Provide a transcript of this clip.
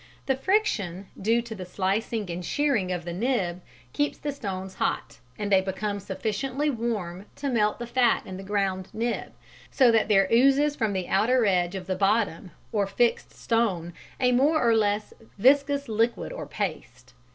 The friction, due to the slicing and shearing of the nib, keeps the stones hot, and they become sufficiently warm to melt the fat in the ground nib, so that there oozes from the outer edge of the bottom or fixed stone a more or less viscous liquid or paste.